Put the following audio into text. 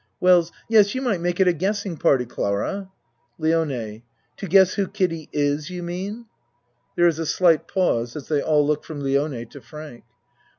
WELLS Yes, you might make it a guessing party, Clara. LIONE To guess who Kiddie is, you mean? ( There is a slight pause as they all look from Lione to Frank.)